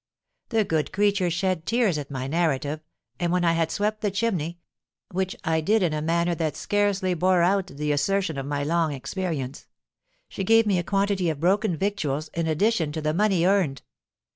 The good creature shed tears at my narrative; and, when I had swept the chimney—which I did in a manner that scarcely bore out the assertion of my long experience—she gave me a quantity of broken victuals in addition to the money earned.